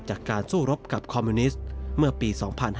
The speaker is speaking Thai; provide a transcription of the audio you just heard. จากการสู้รบกับคอมมิวนิสต์เมื่อปี๒๕๕๙